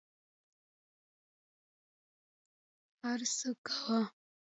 هر څه کوه.